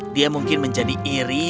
dia mungkin menjadi iri